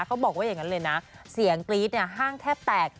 เขาบอกว่าอย่างนั้นเลยนะเสียงกรี๊ดเนี่ยห้างแทบแตก